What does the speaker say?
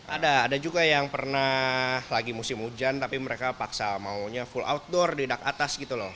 ada ada juga yang pernah lagi musim hujan tapi mereka paksa maunya full outdoor di dak atas gitu loh